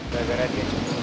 gagara dia cemburu sama aku